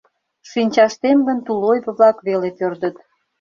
Шинчаштем гын тулойып-влак веле пӧрдыт.